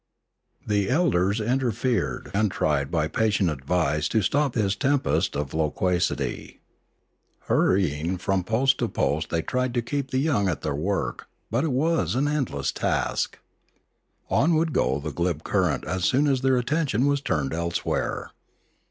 The elders interfered and tried by patient advice to stop this tempest of loquacity. Hurrying from post to 394 Limanora post they tried to keep the young at their work, but it was an endless task. On would go the glib current as soon as their attention was turned elsewhere.